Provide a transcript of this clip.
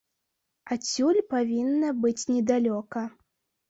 Адсюль павінна быць недалёка.